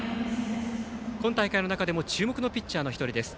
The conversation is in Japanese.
今大会の中でも注目のピッチャーの１人です。